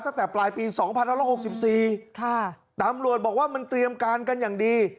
ตั้งแต่ปลายปี๒๑๖๔ตำรวจบอกว่ามันเตรียมการกันอย่างดี